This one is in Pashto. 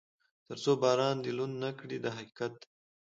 تر څو باران دې لوند نه کړي دا حقیقت دی.